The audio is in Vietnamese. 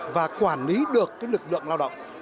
và quản lý được lực lượng lao động